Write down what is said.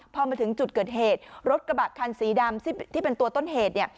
พอมาถึงจุดเกิดเหตุรถกระบะคันสีดำที่เป็นตัวต้นเหตุเนี่ย